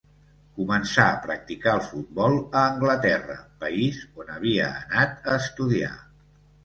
Començà a practicar el futbol a Anglaterra, país on havia anat a estudiar.